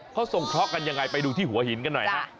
เขาส่งเคราะห์กันยังไงไปดูที่หัวหินกันหน่อยฮะ